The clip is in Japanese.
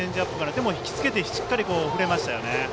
ただ、引き付けてしっかり振れましたよね。